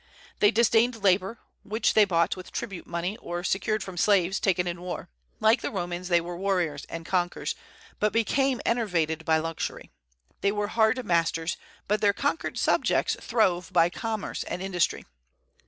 They disdained labor, which they bought with tribute money or secured from slaves taken in war. Like the Romans, they were warriors and conquerors, but became enervated by luxury. They were hard masters, but their conquered subjects throve by commerce and industry.